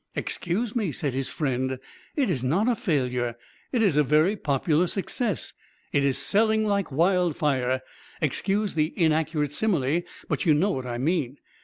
"Excuse me," said his friend. "It is not a failure. It is a very popular success. It is selling like wildfire. Excuse the inaccurate simile; but you know what I mean.